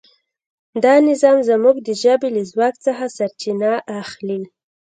دا نظام زموږ د ژبې له ځواک څخه سرچینه اخلي.